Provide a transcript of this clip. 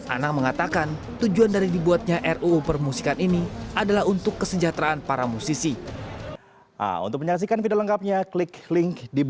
anang mengatakan tujuan dari dibuatnya ruu permusikan ini adalah untuk kesejahteraan para musisi